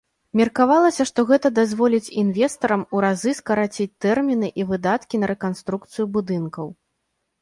Меркавалася, што гэта дазволіць інвестарам у разы скараціць тэрміны і выдаткі на рэканструкцыю будынкаў.